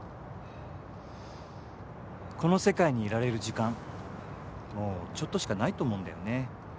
この世界にいられる時間もうちょっとしかないと思うんだよね。